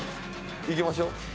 いきましょう。